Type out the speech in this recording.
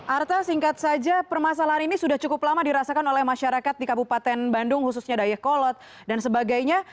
arta singkat saja permasalahan ini sudah cukup lama dirasakan oleh masyarakat di kabupaten bandung khususnya dayakolot dan sebagainya